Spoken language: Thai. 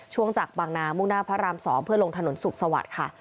ช่วงจากบางนามุ่งหน้าพระราม๒เพื่อลงถนนสุขสวัสดิ์ค่ะ